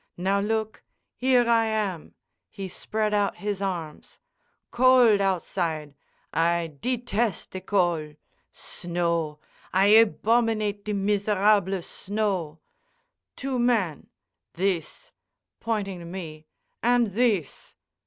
Now, look: Here I am!" He spread out his arms. "Cold outside! I detes' the col l l! Snow! I abominate the mees ser rhable snow! Two men! This—" pointing to me—"an' this!"